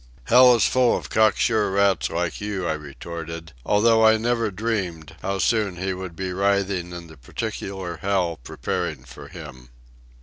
"Hell is full of cocksure rats like you," I retorted; although I never dreamed how soon he would be writhing in the particular hell preparing for him.